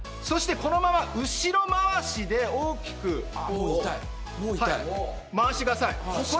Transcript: そしてこのまま後まわしで大きくまわしてください。